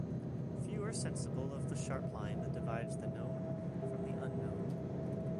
Few are sensible of the sharp line that divides the known from the unknown.